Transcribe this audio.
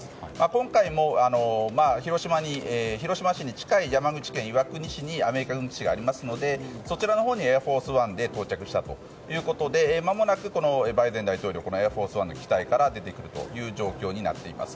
今回も広島市に近い山口県岩国市にアメリカ軍基地がありますのでそちらに「エアフォースワン」で到着したということでまもなくバイデン大統領「エアフォースワン」の機体から出てくる状況になっています。